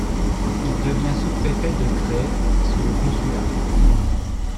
Il devient sous-préfet de Gray sous le consulat.